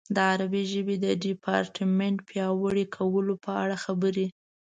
د عربي ژبې د ډیپارټمنټ پیاوړي کولو په اړه خبرې.